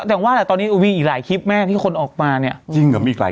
แต่ว่าแหละตอนนี้มีอีกหลายคลิปแม่ที่คนออกมาเนี่ยจริงเหรอมีอีกหลาย